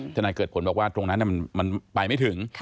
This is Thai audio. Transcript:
นายเกิดผลบอกว่าตรงนั้นมันไปไม่ถึง